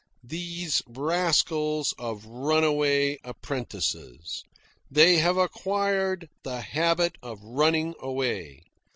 Those rascals of runaway apprentices! They have acquired the habit of running away.